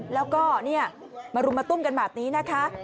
แล้วก็เนี่ยคุณผู้ชมมารุมตุ้มกันแบบนี้นะคะ